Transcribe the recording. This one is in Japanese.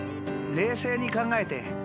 冷静に考えて昴